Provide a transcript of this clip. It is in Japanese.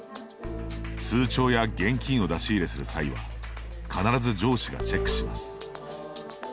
通帳や現金を出し入れする際は必ず上司がチェックします。